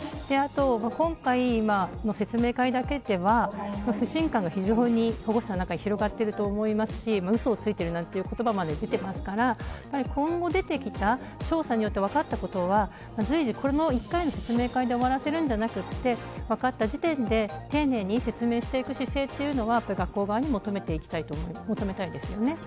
今回の説明会だけでは不信感が保護者の中に広がっていると思いますしうそついているという言葉も出ていますからやはり、今後出てきた調査で分かったことはこの１回の説明だけで終わらせるのではなく分かった時点で丁寧に説明をしていく姿勢を学校側に求めたいところです。